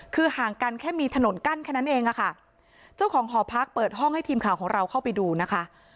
คือห่างกันแค่มีถนนกั้นแค่นั้นเองอะค่ะเจ้าของหอพักเปิดห้องให้ทีมข่าวของเราเข้าไปดูนะคะ